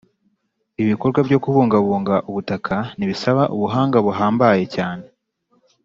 Ibikorwa byo kubungabunga ubutaka ntibisaba ubuhanga buhambaye cyane